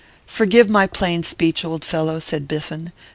'Forgive my plain speech, old fellow,' said Biffen.